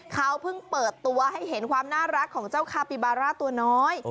เขาเพิ่งเปิดตัวให้เห็นความน่ารักของเจ้าคาปิบาร่าตัวน้อย